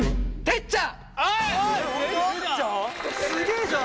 てっちゃんまじ？